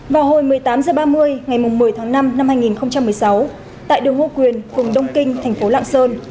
vào hồi một mươi tám h ba mươi ngày một mươi tháng năm năm hai nghìn một mươi sáu tại đường ngô quyền phường đông kinh thành phố lạng sơn